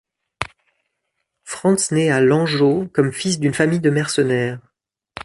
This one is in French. Franz nait à Lengau comme fils d’une famille de mercenaires.